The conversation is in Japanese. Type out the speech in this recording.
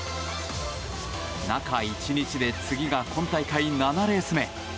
中１日で次が今大会７レース目。